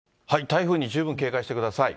台風に十分警戒してください。